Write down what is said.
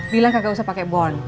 bilang kagak usah pake bon